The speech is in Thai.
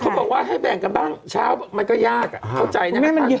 เขาบอกว่าให้แบ่งกันบ้างเช้ามันก็ยากเข้าใจนี่นะคะ